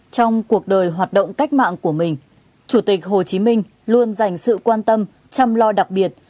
trong cuộc đời hoạt động cách mạng của mình chủ tịch hồ chí minh luôn dành sự quan tâm chăm lo đặc biệt